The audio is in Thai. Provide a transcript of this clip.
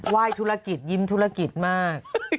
ยธุรกิจยิ้มธุรกิจมาก